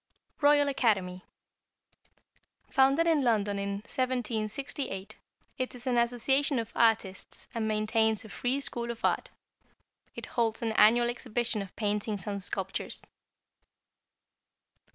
=Royal Academy.= Founded in London in 1768. It is an association of artists, and maintains a free school of art. It holds an annual exhibition of paintings and sculptures.